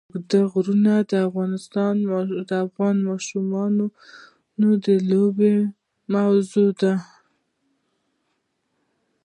اوږده غرونه د افغان ماشومانو د لوبو موضوع ده.